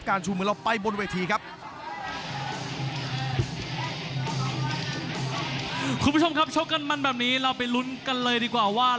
คุณผู้ชมครับชกกันมันแบบนี้เราไปลุ้นกันเลยดีกว่าว่า